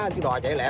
chứ đò chạy lẹ